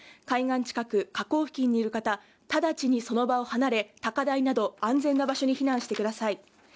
海岸近く、河口付近にいる方直ちにその場を離れ、高台など安全な場所に避難してください。